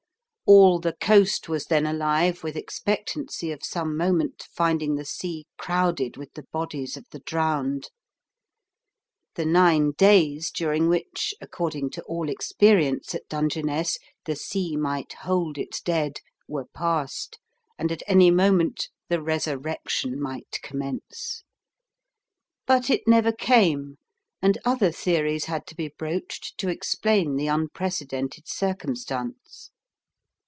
All the coast was then alive with expectancy of some moment finding the sea crowded with the bodies of the drowned. The nine days during which, according to all experience at Dungeness, the sea might hold its dead were past, and at any moment the resurrection might commence. But it never came, and other theories had to be broached to explain the unprecedented circumstance.